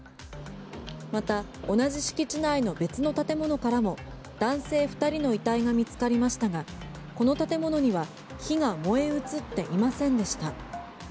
また同じ敷地内の別の建物からも男性２人の遺体が見つかりましたがこの建物には火が燃え移っていませんでした。